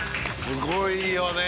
すごいよね！